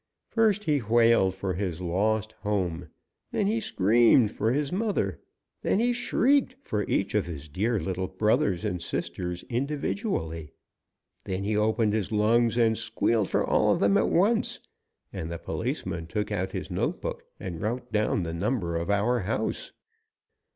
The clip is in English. First he wailed for his lost home. Then he screamed for his mother. Then he shrieked for each of his dear little brothers and sisters individually. Then he opened his lungs and squealed for all of them at once, and the policeman took out his note book and wrote down the number of our house.